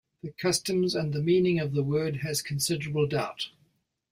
The customs and the meaning of the word has considerable doubt.